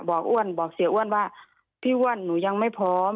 อ้วนบอกเสียอ้วนว่าพี่อ้วนหนูยังไม่พร้อม